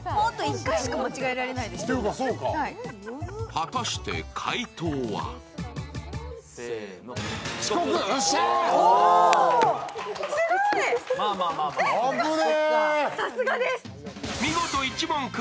果たして解答はアブね！